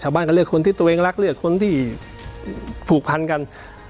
ก็เลือกคนที่ตัวเองรักเลือกคนที่ผูกพันกัน